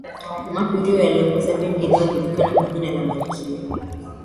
mercury aliongoza bendi iliyojulikana kwa jina la malkia